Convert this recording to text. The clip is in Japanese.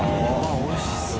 おいしそう。